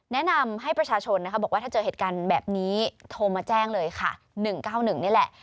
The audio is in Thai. แนะนำให้ประชาชนนะคะบอกว่าถ้าเจอเหตุการณ์แบบนี้โทรมาแจ้งเลยค่ะ๑๙๑นี่แหละ